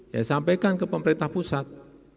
saya sampaikan ke pemerintah pusat